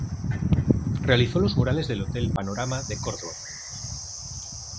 Realizó los murales del Hotel Panorama de Córdoba.